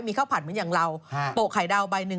มีข้าวผัดเหมือนอย่างเราโปะไข่ดาวใบหนึ่ง